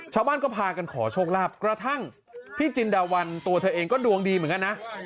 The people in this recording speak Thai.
ชาวบ้านก็พากันขอโชคลาภกระทั่งพี่จินดาวันตัวเธอเองก็ดวงดีเหมือนกันนะ